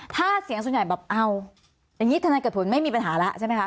ถ้าเสียงส่วนใหญ่แบบเอาอย่างนี้ธนายเกิดผลไม่มีปัญหาแล้วใช่ไหมคะ